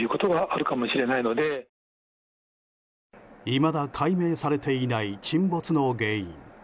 いまだ解明されていない沈没の原因。